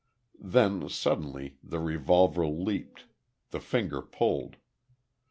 Then, suddenly, the revolver leaped the finger pulled.